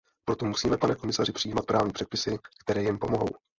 Proto musíme pane komisaři přijímat právní předpisy, které jim pomohou.